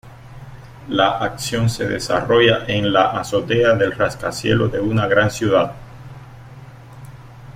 La acción se desarrolla en la azotea del rascacielos de una gran ciudad.